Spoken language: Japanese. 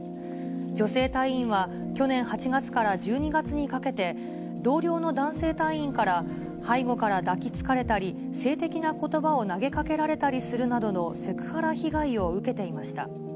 女性隊員は去年８月から１２月にかけて、同僚の男性隊員から背後から抱きつかれたり、性的なことばを投げかけられたりするなどのセクハラ被害を受けていました。